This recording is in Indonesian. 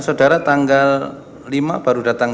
saudara tanggal lima baru datang